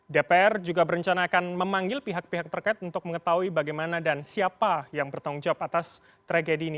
dpr juga berencana akan memanggil pihak pihak terkait untuk mengetahui bagaimana dan siapa yang bertanggung jawab atas tragedi ini